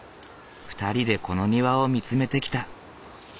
２人でこの庭を見つめてきた。